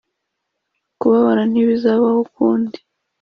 kubabara ntibizabaho ukundi